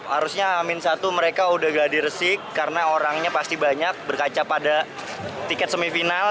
harusnya amin satu mereka udah gak diresik karena orangnya pasti banyak berkaca pada tiket semifinal